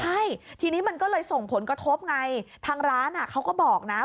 ใช่ทีนี้มันก็เลยส่งผลกระทบไงทางร้านเขาก็บอกนะ